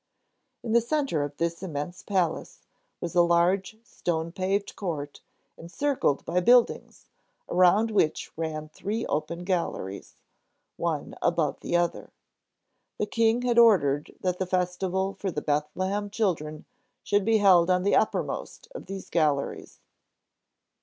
In the center of this immense palace was a large stone paved court encircled by buildings, around which ran three open galleries, one above the other. The King had ordered that the festival for the Bethlehem children should be held on the uppermost of these galleries.